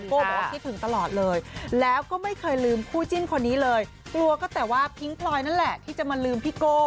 บอกว่าคิดถึงตลอดเลยแล้วก็ไม่เคยลืมคู่จิ้นคนนี้เลยกลัวก็แต่ว่าพิ้งพลอยนั่นแหละที่จะมาลืมพี่โก้